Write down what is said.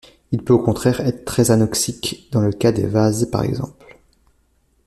Il peut au contraire être très anoxique dans le cas des vases par exemple.